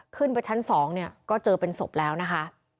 ขึ้นไปชั้น๒เนี่ยก็เจอเป็นศพแล้วนะคะ